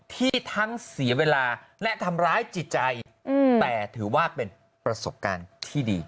ที่ทั้งเสียเวลาและทำร้ายจิตใจแต่ถือว่าเป็นประสบการณ์ที่ดี